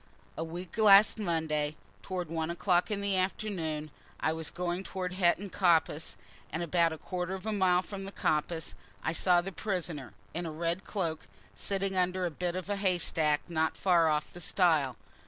A week last Monday, towards one o'clock in the afternoon, I was going towards Hetton Coppice, and about a quarter of a mile from the coppice I saw the prisoner, in a red cloak, sitting under a bit of a haystack not far off the stile.